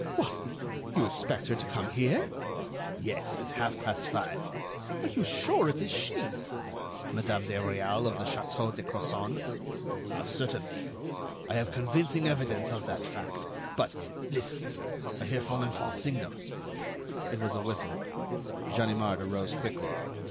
"What! You expect her to come here?" "Yes, at half past five." "Are you sure it is she?" "Madame de Réal of the Château de Crozon? Certainly. I have convincing evidence of that fact. But ... listen!... I hear Folenfant's signal." It was a whistle. Ganimard arose quickly.